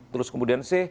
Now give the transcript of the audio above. terus kemudian c